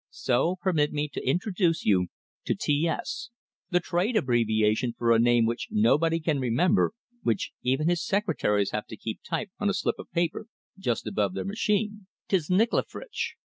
So, permit me to introduce you to T S, the trade abbreviation for a name which nobody can remember, which even his secretaries have to keep typed on a slip of paper just above their machine Tszchniczklefritszch.